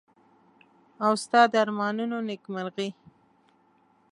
او ستا د ارمانونو نېکمرغي.